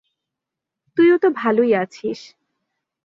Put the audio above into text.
তুইও তো ভালোই আছিস।